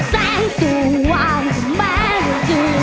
แสงสุวรรณกับแม้รอยจืน